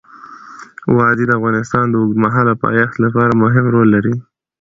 وادي د افغانستان د اوږدمهاله پایښت لپاره مهم رول لري.